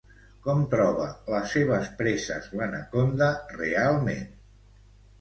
Com troba les seves preses l'anaconda realment?